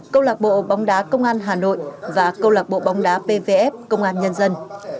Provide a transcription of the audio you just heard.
câu lạc bộ bóng đá công an hà nội và câu lạc bộ bóng đá pvf công an nhân dân